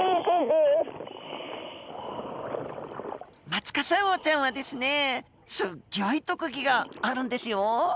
マツカサウオちゃんはですねすっギョい特技があるんですよ。